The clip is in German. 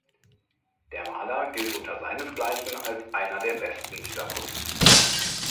Der Maler gilt unter seinesgleichen als einer der Besten dieser Kunst.